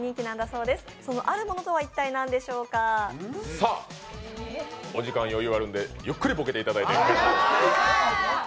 さあ、お時間余裕あるんでゆっくりボケていただいて。